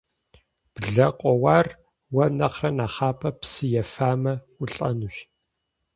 Блэ къоуар уэ нэхърэ нэхъапэ псы ефамэ, улӏэнущ.